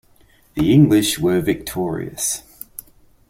The English were victorious.